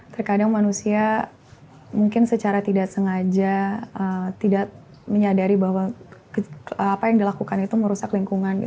terkadang manusia mungkin secara tidak sengaja tidak menyadari bahwa apa yang dilakukan itu merusak lingkungan